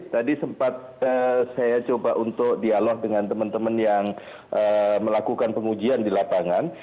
tadi sempat saya coba untuk dialog dengan teman teman yang melakukan pengujian di lapangan